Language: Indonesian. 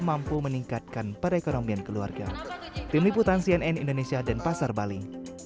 mampu meningkatkan perekonomian keluarga tim liputan cnn indonesia dan pasar bali